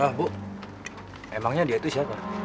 ah bu emangnya dia itu siapa